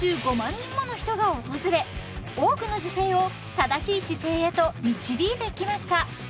人もの人が訪れ多くの女性を正しい姿勢へと導いてきました